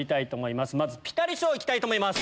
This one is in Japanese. まずピタリ賞行きたいと思います。